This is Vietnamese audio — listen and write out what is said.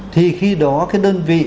thì khi đó cái đơn vị